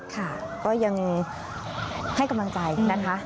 ค่ะก็ยังให้กำลังใจนะคะ